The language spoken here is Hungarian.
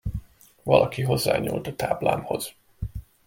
Valaki hozzányúlt a táblámhoz.